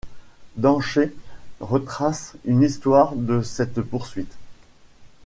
Danchet retrace une histoire de cette poursuite.